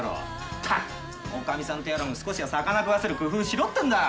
ったくおかみさんとやらも少しは魚食わせる工夫しろってんだ。